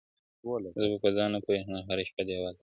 زه په ځان نه پوهېږم هره شپه دېوال ته گډ يم,